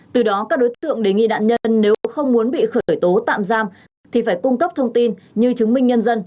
từ đó các đối tượng đề nghị nạn nhân nếu không muốn bị khởi tố tạm giam thì phải cung cấp thông tin như chứng minh nhân dân